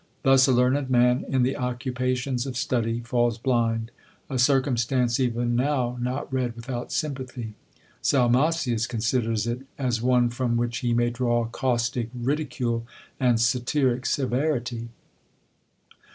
Thus a learned man in the occupations of study falls blind a circumstance even now not read without sympathy. Salmasius considers it as one from which he may draw caustic ridicule and satiric severity.